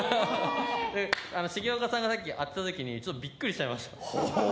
重岡さんがさっき当てたときにびっくりしちゃいました。